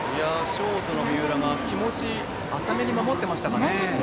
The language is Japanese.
ショートの三浦が気持ち浅めに守っていました。